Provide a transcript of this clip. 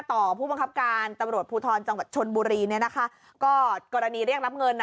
ต่อผู้บังคับการตำรวจภูทรจังหวัดชนบุรีเนี่ยนะคะก็กรณีเรียกรับเงินอ่ะ